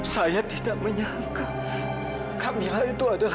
saya tidak menyangka camilla itu adalah anaknya farah